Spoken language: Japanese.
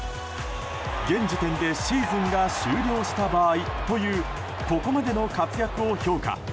現時点でシーズンが終了した場合というここまでの活躍を評価。